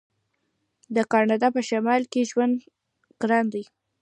د کاناډا په شمال کې ژوند ګران دی.